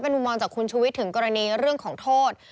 มุมมองจากคุณชุวิตถึงกรณีเรื่องของโทษ